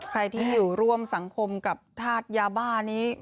ใครที่อยู่ร่วมสังคมกับธาตุยาบ้านี้